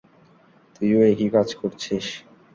তুইও একই কাজ করছিস!